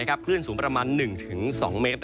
คลื่นสูงประมาณ๑๒เมตร